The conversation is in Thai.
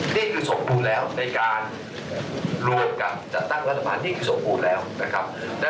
นี่คือสมพูดแล้วในการรวมกับตั้งการสมบูรณ์แล้วนะครับ